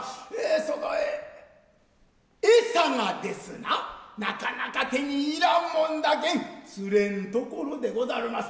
そのええさがですななかなか手に入らんもんだけん釣れん所でござるます。